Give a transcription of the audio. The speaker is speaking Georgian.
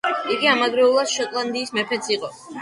იგი ამავდროულად შოტლანდიის მეფეც იყო.